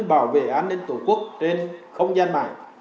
bảo vệ an ninh tổ quốc trên không gian mạng